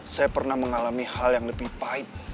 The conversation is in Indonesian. saya pernah mengalami hal yang lebih pahit